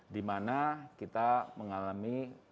di mana kita mengalami